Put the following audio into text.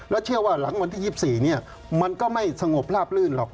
เชื่อว่าหลังวันที่๒๔มันก็ไม่สงบลาบลื่นหรอก